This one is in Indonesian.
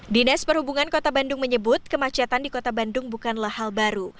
dinas perhubungan kota bandung menyebut kemacetan di kota bandung bukanlah hal baru